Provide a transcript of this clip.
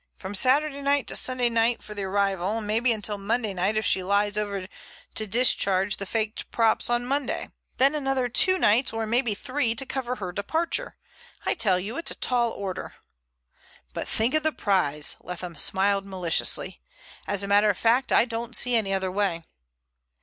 From Saturday night to Sunday night for the arrival; maybe until Monday night if she lies over to discharge the faked props on Monday. Then another two nights or maybe three to cover her departure. I tell you it's a tall order." "But think of the prize," Leatham smiled maliciously. "As a matter of fact I don't see any other way."